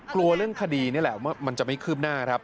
กลัวเรื่องคดีนี่แหละมันจะไม่ขึ้นหน้าครับ